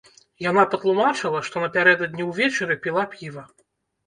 Яна патлумачыла, што напярэдадні ўвечары піла піва.